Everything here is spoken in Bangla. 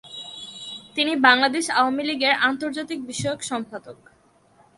তিনি বাংলাদেশ আওয়ামী লীগের আন্তর্জাতিক বিষয়ক সম্পাদক।